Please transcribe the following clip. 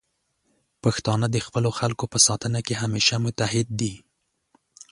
پښتانه د خپلو خلکو په ساتنه کې همیشه متعهد دي.